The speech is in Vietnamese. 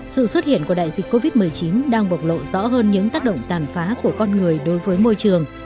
sự xuất hiện của đại dịch covid một mươi chín đang bộc lộ rõ hơn những tác động tàn phá của con người đối với môi trường